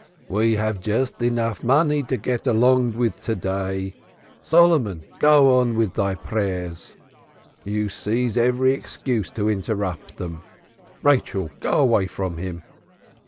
"We have just enough money to get along with to day. Solomon, go on with thy prayers; thou seizest every excuse to interrupt them. Rachel, go away from him.